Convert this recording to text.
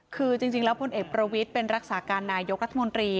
คือจริงแล้วพลเอกประวิทย์เป็นรักษาการนายกรัฐมนตรี